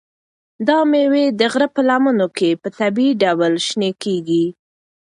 دا مېوې د غره په لمنو کې په طبیعي ډول شنه کیږي.